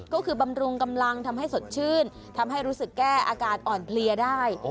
ก็คือบำรุงกำลังทำให้สดชื่นทำให้รู้สึกแก้อาการอ่อนเพลียได้